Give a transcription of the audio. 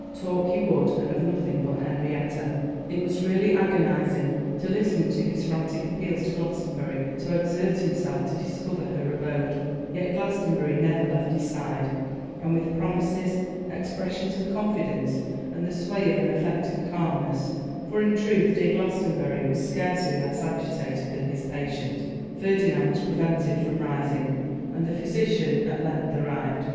Talk he would, and of nothing but Henrietta. It was really agonising to listen to his frantic appeals to Glastonbury to exert himself to discover her abode; yet Glastonbury never left his side; and with promises, expressions of confidence, and the sway of an affected calmness, for in truth dear Glastonbury was scarcely less agitated than his patient, Ferdinand was prevented from rising, and the physician at length arrived.